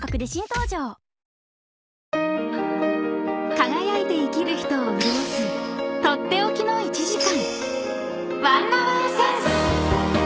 ［輝いて生きる人を潤す取って置きの１時間］